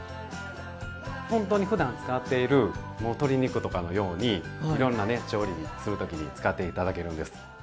ほんとにふだん使っている鶏肉とかのようにいろんなね調理する時に使って頂けるんです。